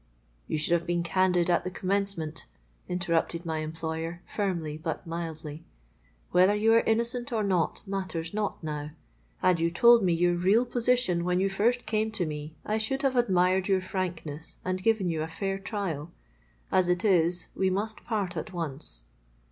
'—'You should have been candid at the commencement,' interrupted my employer, firmly but mildly. 'Whether you are innocent or not, matters not now. Had you told me your real position when you first came to me, I should have admired your frankness, and given you a fair trial. As it is, we must part at once.'